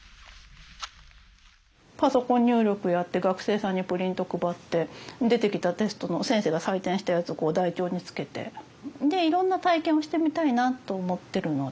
パソコン入力やって学生さんにプリント配って出てきたテストの先生が採点したやつをこう台帳につけて。でいろんな体験をしてみたいなと思ってるので。